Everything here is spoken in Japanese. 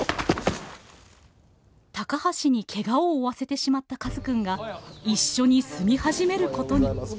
高橋にケガを負わせてしまったカズくんが一緒に住み始めることに。